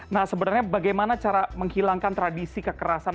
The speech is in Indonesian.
nah sebenarnya bagaimana cara menghilangkan tradisi kekerasan